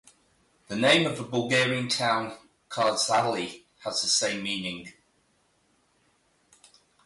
The name of the Bulgarian town Kardzhali has the same meaning.